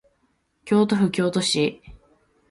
京都府京都市